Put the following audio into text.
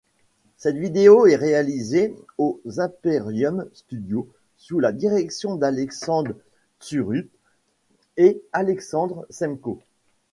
Cette vidéo est réalisée aux Imperium Studios sous la direction d’AlexandreTsurup et Alexandre Semko.